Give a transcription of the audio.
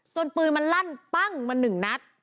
ปืนมันลั่นปั้งมาหนึ่งนัด